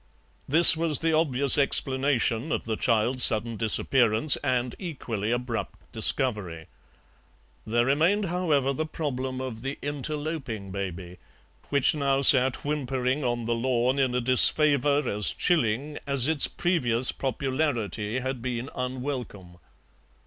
This was the obvious explanation of the child's sudden disappearance and equally abrupt discovery. There remained, however, the problem of the interloping baby, which now sat whimpering on the lawn in a disfavour as chilling as its previous popularity had been unwelcome.